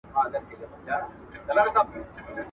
هم یې ماښام هم یې سهار ښکلی دی.